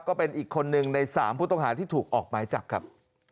ก็เป็นอีกคนนึงใน๓ผู้ต้องหาที่ถูกออกหมายจับครับ